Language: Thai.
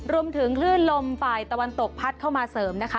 รวมถึงคลื่นลมฝ่ายตะวันตกพัดเข้ามาเสริมนะคะ